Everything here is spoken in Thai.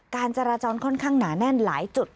การจราจรค่อนข้างหนาแน่นหลายจุด